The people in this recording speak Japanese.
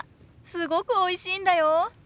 すごくおいしいんだよ。